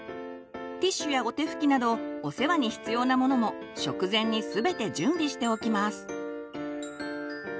ティッシュやおてふきなどお世話に必要なものも食前に全て準備しておきます。